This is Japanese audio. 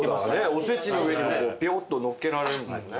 おせちの上にこうピョッとのっけられるんだもんね。